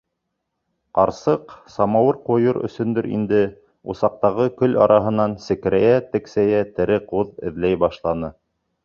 Ҡарсыҡ, самауыр ҡуйыр өсөндөр инде, усаҡтағы көл араһынан секрәйә-тексәйә тере ҡуҙ эҙләй башланы.